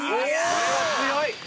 それは強い！